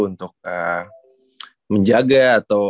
untuk menjaga atau apa ya